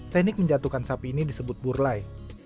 teknik menjatuhkan sapi ini disebut burlai